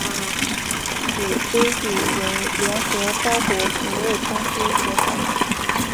此规则为联合包裹服务公司所采用。